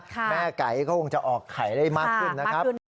แม่ไก่ก็คงจะออกไข่ได้มากขึ้นนะครับ